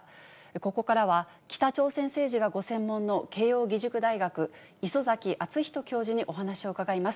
ここからは、北朝鮮政治がご専門の慶應義塾大学、礒崎敦仁教授にお話を伺います。